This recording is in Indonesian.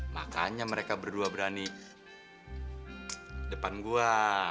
makanya mereka berdua berani depan gua